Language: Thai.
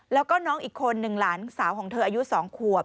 แล้วก็น้องอีกคนหนึ่งหลานสาวของเธออายุ๒ขวบ